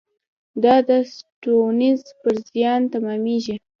دا د سټیونز پر زیان تمامېږي.